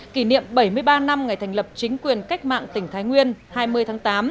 kỷ niệm bảy mươi ba năm ngày thành lập chính quyền cách mạng tỉnh thái nguyên hai mươi tháng tám